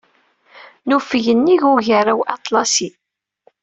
Nufeg nnig Ugaraw Aṭlasi.